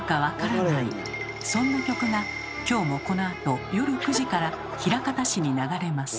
そんな曲がきょうもこのあと夜９時から枚方市に流れます。